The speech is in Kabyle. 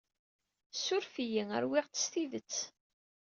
Ssuref-iyi, rwiɣ-tt s tidet.